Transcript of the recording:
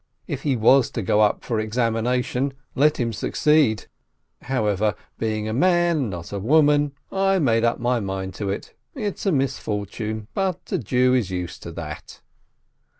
If he was to go up for exam ination, let him succeed. However, being a man and not a woman, I made up my mind to it — it's a mis fortune, but a Jew is used to that.